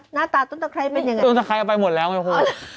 หน้าตาตั้งใจใครเป็นอย่างไรตั้งใจใครเอาไปหมดแล้วไหมครับ